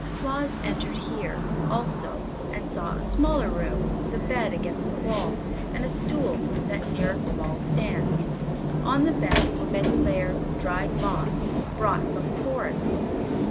Claus entered here, also, and saw a smaller room with a bed against the wall and a stool set near a small stand. On the bed were many layers of dried moss brought from the Forest.